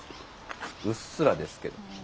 うっすらですけど。